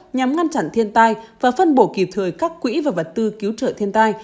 nhằm ngăn chặn thiên tai và phân bổ kịp thời các quỹ và vật tư cứu trợ thiên tai